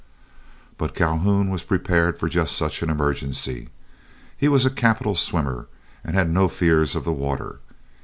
But Calhoun was prepared for just such an emergency. He was a capital swimmer, and had no fears of the water.